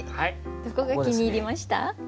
どこが気に入りました？